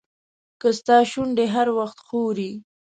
که ستا شونډې هر وخت ښوري.